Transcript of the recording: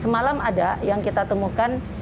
semalam ada yang kita temukan